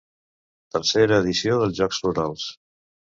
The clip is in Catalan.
Tercera edició dels Jocs Florals.